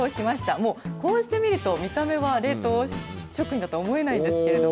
もうこうして見ると、見た目は冷凍食品だとは思えないんですけれども。